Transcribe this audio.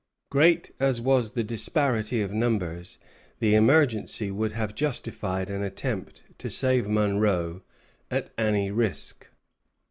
Great as was the disparity of numbers, the emergency would have justified an attempt to save Monro at any risk.